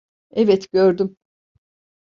Evet, gördüm.